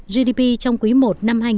gdp trong cuộc chiến